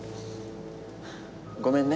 ごめんね。